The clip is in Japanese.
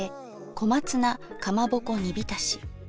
小松菜かまぼこ煮浸し。